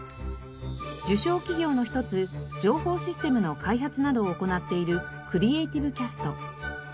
受賞企業の一つ情報システムの開発などを行っているクリエイティブキャスト。